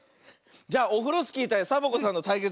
じゃあオフロスキーたいサボ子さんのたいけつ。